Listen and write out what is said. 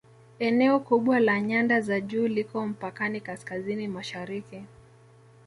Eneo kubwa la nyanda za juu liko mpakani Kaskazini Mashariki